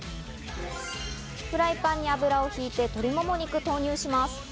フライパンに油を引いて鶏もも肉を投入します。